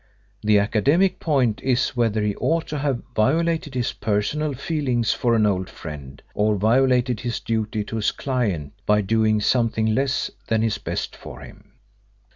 The academic point is whether he ought to have violated his personal feelings for an old friend, or violated his duty to his client by doing something less than his best for him.